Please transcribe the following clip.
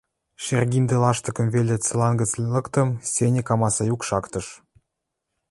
Шергиндӹ лаштыкым веле цылан гӹц лыктым, сеньӹк амаса юк шактыш.